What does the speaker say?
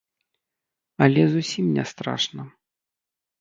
Але зусім не страшна.